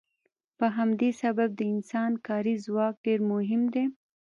په همدې سبب د انسان کاري ځواک ډیر مهم دی.